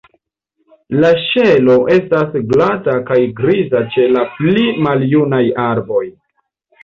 La ŝelo estas glata kaj griza ĉe la pli maljunaj arboj.